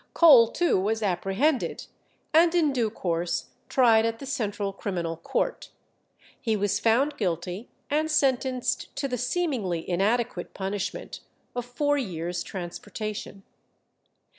Cole too was apprehended, and in due course tried at the Central Criminal Court. He was found guilty, and sentenced to the seemingly inadequate punishment of four years' transportation.